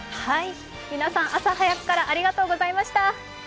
皆さん、朝早くからありがとうございました。